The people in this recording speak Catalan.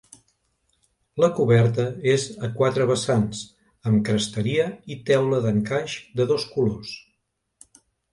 La coberta és a quatre vessants, amb cresteria i teula d'encaix de dos colors.